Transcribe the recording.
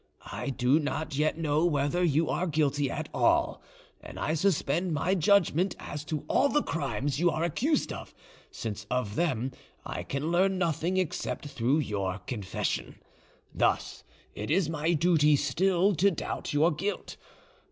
I do not yet know whether you are guilty at all, and I suspend my judgment as to all the crimes you are accused of, since of them I can learn nothing except through your confession. Thus it is my duty still to doubt your guilt.